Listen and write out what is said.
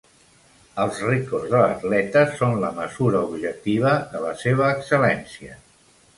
Els rècords de l'atleta són la mesura objectiva de la seva excel·lència.